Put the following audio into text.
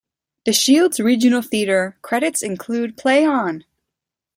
De Shields' regional theatre credits include Play On!